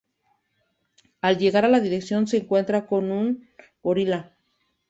Al llegar a la dirección se encuentra con un gorila.